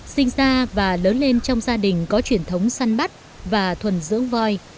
sinh ra và lớn lên trong gia đình có truyền thống săn bắt và thuần dưỡng voi